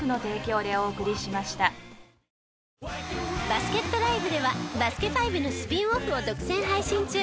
バスケットＬＩＶＥでは『バスケ☆ＦＩＶＥ』のスピンオフを独占配信中。